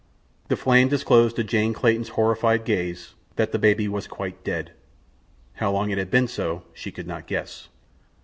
The flame disclosed to Jane Clayton's horrified gaze that the baby was quite dead. How long it had been so she could not guess.